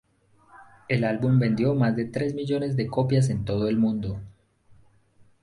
El álbum vendió más de tres millones de copias en todo el mundo.